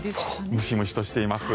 ムシムシとしています。